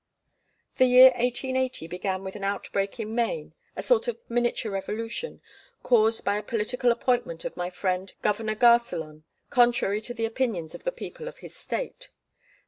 The year 1880 began with an outbreak in Maine, a sort of miniature revolution, caused by a political appointment of my friend Governor Garcelon contrary to the opinions of the people of his State.